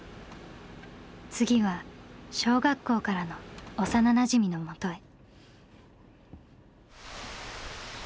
次は小学校からの幼なじみのもとへ。